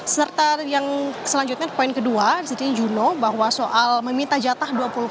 serta yang selanjutnya poin kedua disini juno bahwa soal meminta jatah